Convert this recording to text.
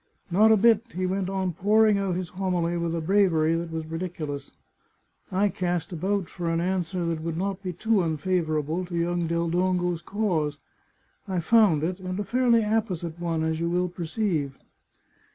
Not a bit, he went on pouring out his homily with a bravery that was ridiculous. I cast about for an answer that would not be too unfavourable to young Del Dongo's cause. I found it, and a fairly apposite one, as you will perceive.